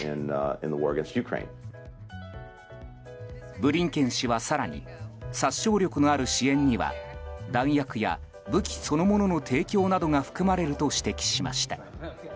ブリンケン氏は更に殺傷力のある支援には弾薬や武器そのものの提供などが含まれると指摘しました。